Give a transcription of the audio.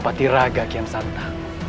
pak tiraga kian santa